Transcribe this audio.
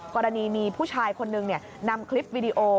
กรณีมีผู้ชายคนนึงนำคลิปวิดีโอ